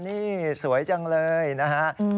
นี่สวยจังเลยนะฮะ